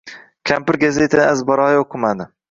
Kampir gazetani azbaroyi oʻqimaydi